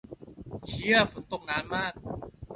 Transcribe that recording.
เชี่ย ฝนตกนานมาก